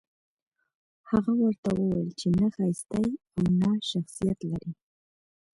هغه ورته وويل چې نه ښايسته يې او نه شخصيت لرې.